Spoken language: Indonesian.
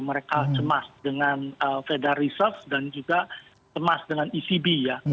mereka cemas dengan feda reserve dan juga cemas dengan ecb ya